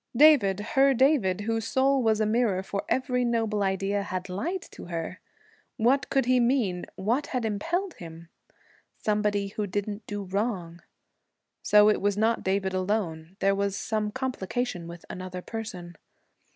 David, her David, whose soul was a mirror for every noble idea, had lied to her! What could he mean? What had impelled him? Somebody who didn't do wrong. So it was not David alone; there was some complication with another person.